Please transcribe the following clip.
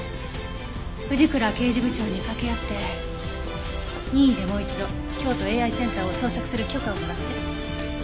藤倉刑事部長にかけ合って任意でもう一度京都ＡＩセンターを捜索する許可をもらって。